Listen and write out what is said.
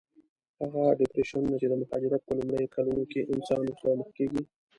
هغه ډېپریشنونه چې د مهاجرت په لومړیو کلونو کې انسان ورسره مخ کېږي.